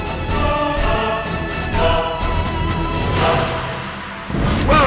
dia pasti mau nanyain gue dimana sekarang